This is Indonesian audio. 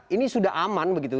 ini sudah aman begitu